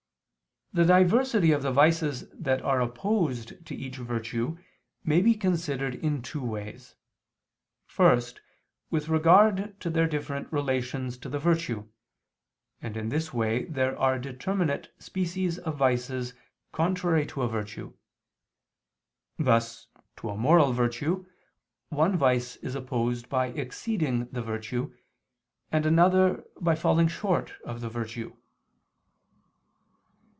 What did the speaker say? The diversity of the vices that are opposed to each virtue may be considered in two ways, first, with regard to their different relations to the virtue: and in this way there are determinate species of vices contrary to a virtue: thus to a moral virtue one vice is opposed by exceeding the virtue, and another, by falling short of the virtue.